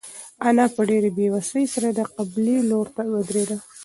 انا په ډېرې بېوسۍ سره د قبلې لوري ته ودرېده.